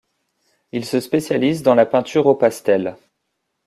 Il se spécialise dans la peinture au pastel.